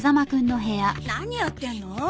何やってんの？